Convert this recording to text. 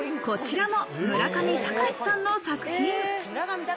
こちらも村上隆さんの作品。